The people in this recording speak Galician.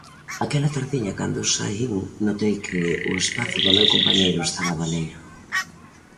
Aquela tardiña cando saín notei que o espazo do meu compañeiro estaba baleiro.